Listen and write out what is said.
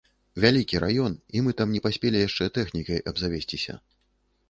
Вялікі раён, і мы там не паспелі яшчэ тэхнікай абзавесціся.